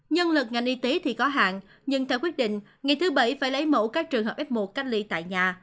nhân lực ngành y tế thì có hạn nhưng theo quyết định ngày thứ bảy phải lấy mẫu các trường hợp f một cách ly tại nhà